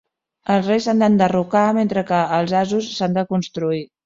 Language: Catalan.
Els reis s'han d'enderrocar mentre que els asos s'han de construir.